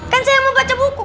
kan saya mau baca buku